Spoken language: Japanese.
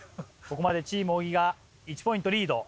ここまでチーム小木が１ポイントリード。